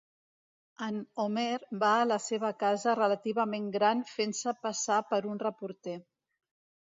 En Homer va a la seva casa relativament gran fent-se passar per un reporter.